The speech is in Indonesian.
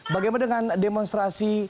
bagaimana dengan demonstrasi